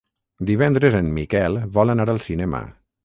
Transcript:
Divendres en Miquel vol anar al cinema.